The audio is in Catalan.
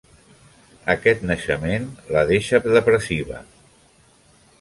Aquest naixement la deixa depressiva.